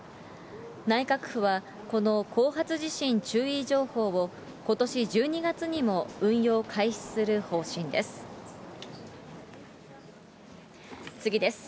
内閣府は、この後発地震注意情報を、ことし１２月にも運用開始する方針です。